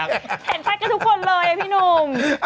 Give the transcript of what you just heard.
เห็นชัดกันทุกคนเลยพี่หนุ่ม